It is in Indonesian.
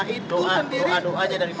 nah itu sendiri